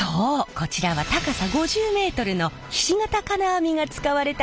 こちらは高さ５０ｍのひし形金網が使われた校舎！